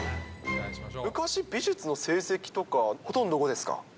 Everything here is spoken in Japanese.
昔、美術の成績とか、ほとんど５ですか？